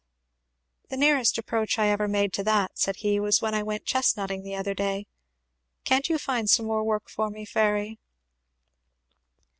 "The nearest approach I ever made to that," said he, "was when I went chestnuting the other day. Can't you find some more work for me, Fairy?"